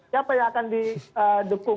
siapa yang akan di dukung